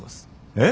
えっ！？